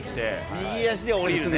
右足で降りるね。